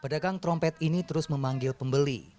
pedagang trompet ini terus memanggil pembeli